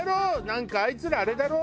なんかあいつらあれだろ？